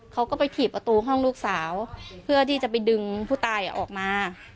เขาก็ไปถีบประตูห้องลูกสาวเพื่อที่จะไปดึงผู้ตายออกมา